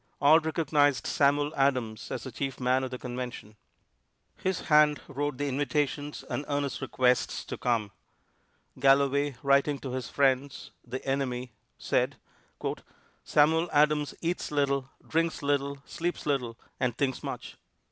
All recognized Samuel Adams as the chief man of the Convention. His hand wrote the invitations and earnest requests to come. Galloway, writing to his friends, the enemy, said: "Samuel Adams eats little, drinks little, sleeps little and thinks much.